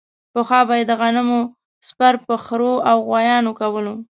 پخوا به یې د غنمو څپر په خرو او غوایانو کولو.